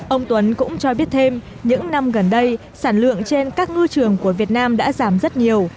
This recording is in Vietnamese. ông tuấn cũng cho biết thêm những năm gần đây sản lượng trên các ngư trường của việt nam đã giảm rất nhiều